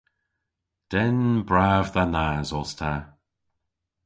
Den brav dha nas os ta.